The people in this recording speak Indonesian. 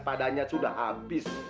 padanya sudah habis